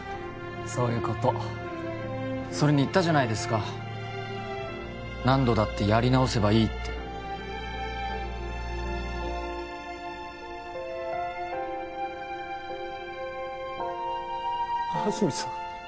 そういうことそれに言ったじゃないですか「何度だってやり直せばいい」って安積さん